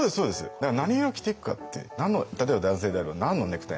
だから何色を着ていくかって例えば男性であれば何のネクタイなのか。